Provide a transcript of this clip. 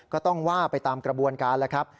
ก็ต้องว่าไปตามกระบวนการแล้วครับ